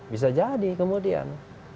bisa jadi kemudian